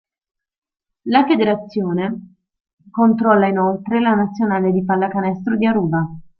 La federazione controlla inoltre la nazionale di pallacanestro di Aruba.